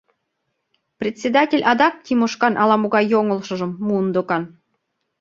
— Председатель адак Тимошкан ала-могай йоҥылышыжым муын докан.